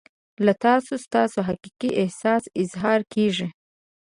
له تاسو ستاسو حقیقي احساس اظهار کیږي.